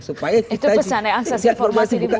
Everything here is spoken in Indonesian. itu pesannya akses informasi dibuka